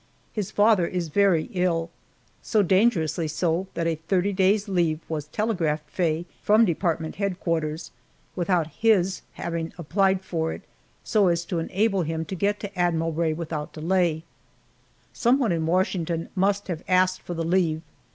His father is very ill so dangerously so that a thirty days' leave was telegraphed Faye from Department Headquarters, without his having applied for it so as to enable him to get to Admiral Rae without delay. Some one in Washington must have asked for the leave.